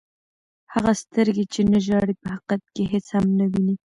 هغه سترګي، چي نه ژاړي په حقیقت کښي هيڅ هم نه ويني.